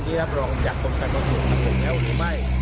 ที่เราต้องอยากตรงการตามกฎหมายหรือไม่